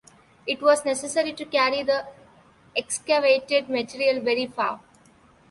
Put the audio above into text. It was necessary to carry the excavated material very far.